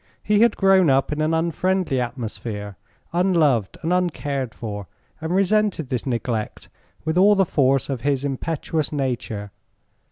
He had grown up in an unfriendly atmosphere, unloved and uncared for, and resented this neglect with all the force of his impetuous nature.